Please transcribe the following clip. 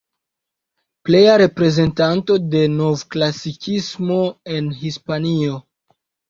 Pleja reprezentanto de novklasikismo en Hispanio.